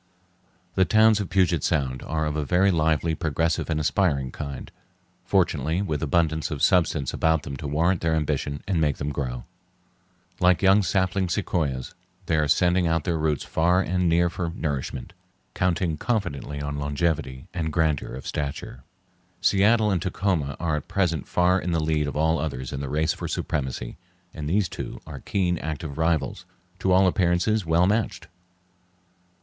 The towns of Puget Sound are of a very lively, progressive, and aspiring kind, fortunately with abundance of substance about them to warrant their ambition and make them grow. Like young sapling sequoias, they are sending out their roots far and near for nourishment, counting confidently on longevity and grandeur of stature. Seattle and Tacoma are at present far in the lead of all others in the race for supremacy, and these two are keen, active rivals, to all appearances well matched.